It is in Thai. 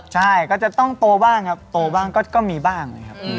ใช่ก็จะต้องโตบ้างครับโตบ้างก็มีบ้างนะครับ